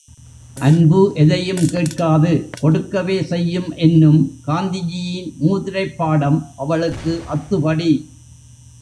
அன்பு எதையும் கேட்காது, கொடுக்கவே செய்யும் என்னும் காந்திஜியின் மூதுரைப் பாடம் அவளுக்கு அத்துபடி.